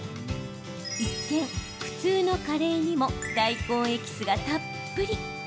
一見、普通のカレーにも大根エキスがたっぷり。